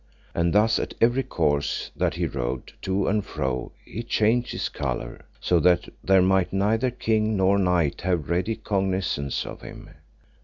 And thus at every course that he rode to and fro he changed his colour, so that there might neither king nor knight have ready cognisance of him.